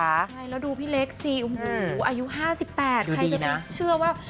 แล้วดูพี่เล็กซีอายุ๕๘ใครจะไม่เชื่อว่า